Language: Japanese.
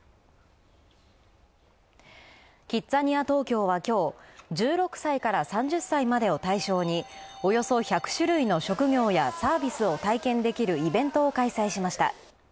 東京はきょう、１６歳から３０までを対象におよそ１００種類の職業やサービスを体験できるイベントを開催しました。